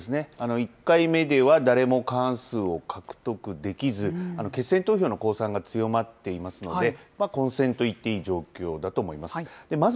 １回目では、誰も過半数を獲得できず、決選投票の公算が強まっていますので、混戦といっていい状況だと思います。